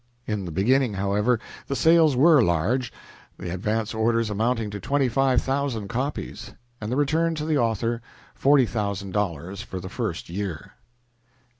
In the beginning, however, the sales were large, the advance orders amounting to twenty five thousand copies, and the return to the author forty thousand dollars for the first year.